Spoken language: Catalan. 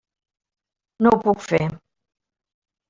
No ho puc fer.